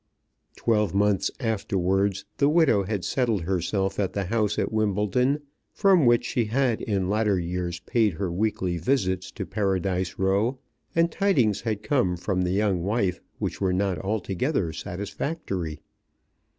Twelve months afterwards the widow had settled herself at the house at Wimbledon, from which she had in latter years paid her weekly visits to Paradise Row, and tidings had come from the young wife which were not altogether satisfactory.